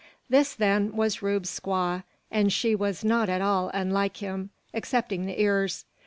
This, then, was Rube's squaw, and she was not at all unlike him, excepting the ears.